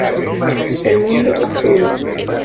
El mundo azul.